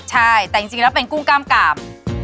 ใช่แต่จริงแล้วเป็นกุ้งกล้ามกาม